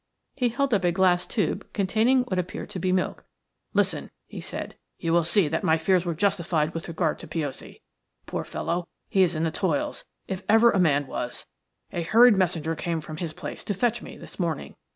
He held up a glass tube containing what appeared to be milk. "Listen," he said. "You will see that my fears were justified with regard to Piozzi. Poor fellow, he is in the toils, if ever a man was. A hurried messenger came from his place to fetch me this morning.